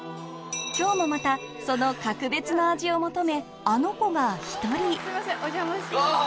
今日もまたその格別な味を求めアノ娘が１人わぁ！